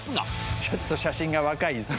ちょっと写真が若いんですね